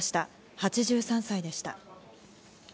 ８３歳でした。